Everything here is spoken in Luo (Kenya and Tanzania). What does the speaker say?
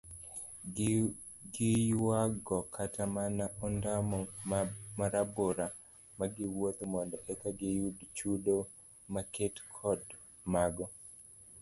Giyuago kata mana ondamo marabora magiwuotho mondo eka giyud chudo maket kod mago